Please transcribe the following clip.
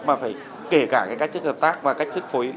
mà phải kể cả cái cách thức hợp tác và cách chức phối